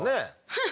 フッ！